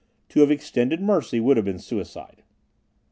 To have extended mercy would have been suicide.